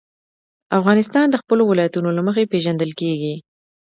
افغانستان د خپلو ولایتونو له مخې پېژندل کېږي.